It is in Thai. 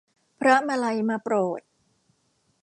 พระมาลัยมาโปรด